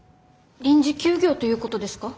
臨時休業ということですか？